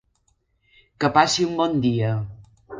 Que passi un bon dia!